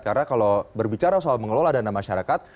karena kalau berbicara soal mengelola dana masyarakat